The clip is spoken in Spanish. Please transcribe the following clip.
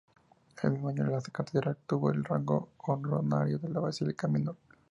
El mismo año, la catedral obtuvo el rango honorario de Basílica Menor.